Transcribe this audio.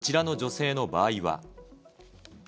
こちらの女性の場合は。